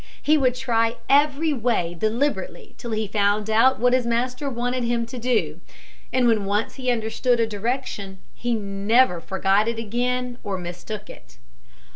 He would try every way deliberately till he found out what his master wanted him to do; and when once he understood a direction he never forgot it again or mistook it.